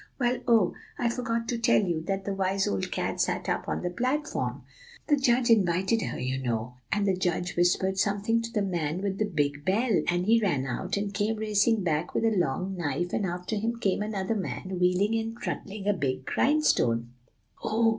Well, oh! I forgot to tell you that the wise old cat sat up on the platform, the judge invited her, you know. And the judge whispered something to the man with the big bell, and he ran out, and came racing back with a long knife; and after him came another man, wheeling and trundling a big grindstone" "Oh!"